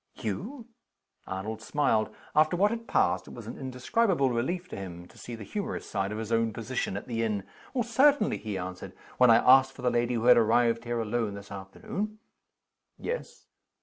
"You!" Arnold smiled. After what had passed, it was an indescribable relief to him to see the humorous side of his own position at the inn. "Certainly," he answered. "When I asked for the lady who had arrived here alone this afternoon " "Yes."